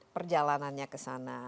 perjalanannya ke sana